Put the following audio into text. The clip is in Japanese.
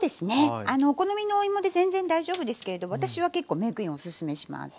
お好みのお芋で全然大丈夫ですけれど私は結構メークインおすすめします。